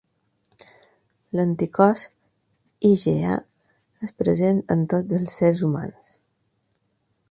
L'anticòs, IgA, és present en tots els sers humans.